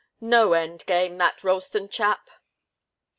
No end game, that Ralston chap!"